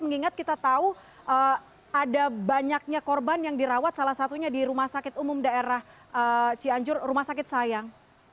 mengingat kita tahu ada banyaknya korban yang dirawat salah satunya di rumah sakit umum daerah cianjur rumah sakit sayang